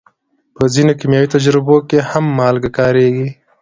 په ځینو کیمیاوي تجربو کې هم مالګه کارېږي.